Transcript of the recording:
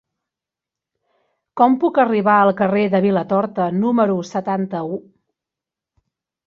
Com puc arribar al carrer de Vilatorta número setanta-u?